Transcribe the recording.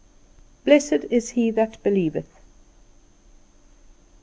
Blessed is He That Believeth.